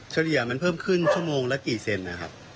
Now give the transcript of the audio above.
เฉลี่ยมันเพิ่มขึ้นชั่วโมงละกี่เซนนะครับ